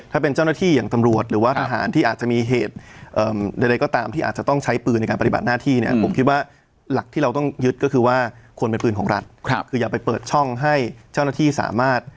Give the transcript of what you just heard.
ถ้าเป็นเจ้าหน้าที่อย่างตำรวจหรือว่าทหารที่อาจจะมีเหตุอืม